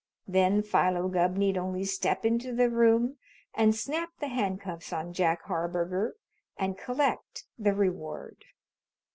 Then Philo Gubb need only step into the room and snap the handcuffs on Jack Harburger and collect the reward.